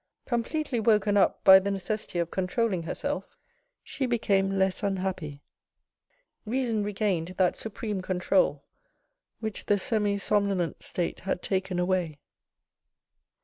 Completely woken up by the necessity of controlling herself, she be came less unhappy. Reason, regained that supreme control which the semi somnolent state had taken away.